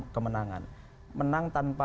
kemenangan menang tanpa